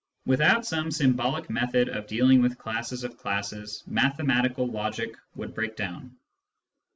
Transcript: Without some symbolic method of dealing with classes of classes, mathematical logic would break down.